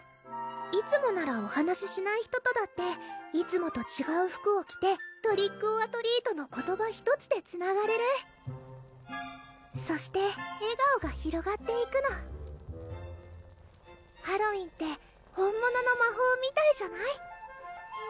いつもならお話しない人とだっていつもとちがう服を着て「トリックオアトリート」の言葉ひとつでつながれるそして笑顔がひろがっていくのハロウィーンって本物の魔法みたいじゃない？